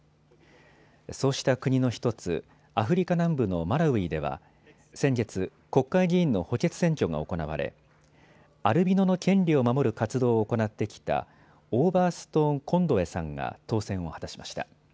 そうした国の１つ、アフリカ南部のマラウイでは先月、国会議員の補欠選挙が行われアルビノの権利を守る活動を行ってきたオーバーストーン・コンドウェさんが当選を果たしました。